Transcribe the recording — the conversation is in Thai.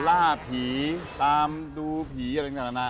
ล่าผีตามดูผีอะไรแบบนั้น